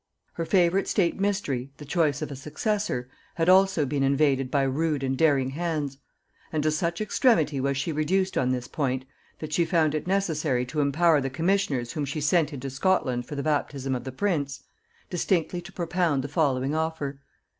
Her favorite state mystery, the choice of a successor, had also been invaded by rude and daring hands; and to such extremity was she reduced on this point, that she had found it necessary to empower the commissioners whom she sent into Scotland for the baptism of the prince, distinctly to propound the following offer.